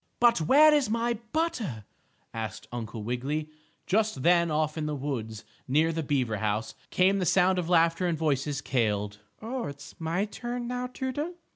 "But where is my butter?" asked Uncle Wiggily. Just then, off in the woods, near the beaver house, came the sound of laughter and voices cailed: "Oh, it's my turn now, Toodle."